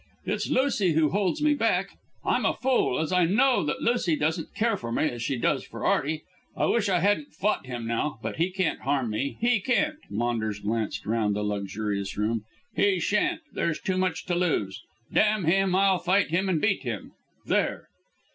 It's Lucy who holds me back. I'm a fool, as I know that Lucy doesn't care for me as she does for Arty. I wish I hadn't fought him now; but he can't harm me, he can't." Maunders glanced round the luxurious room. "He shan't. There's too much to lose. Damn him, I'll fight him and beat him. There!"